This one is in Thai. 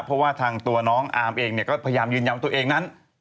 เพราะว่าทางตัวน้องอาร์มเองเนี่ยก็พยายามยืนยันตัวเองนั้น